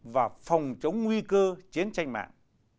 và phòng chống nguy cơ chiến tranh mạng